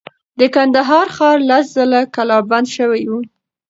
د کندهار ښار لس ځله کلا بند شوی و.